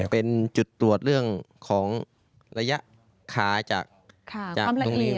เป็นจุดตรวจเรื่องของระยะขาจากโรงเรียน